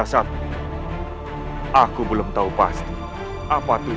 saat bayi jatuh